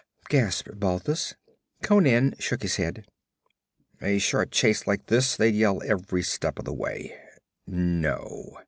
gasped Balthus. Conan shook his head. 'A short chase like this they'd yell every step of the way. No.